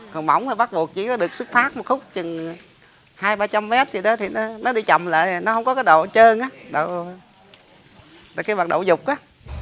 còn mỏng thì bắt buộc chỉ có được sức phát một khúc chừng hai trăm linh ba trăm linh mét gì đó thì nó đi chậm lại nó không có cái độ trơn á cái độ dục á